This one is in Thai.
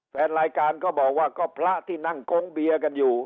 แฟนรายการก็บอกว่าก็พระที่นั่งโก๊งเบียร์กันอยู่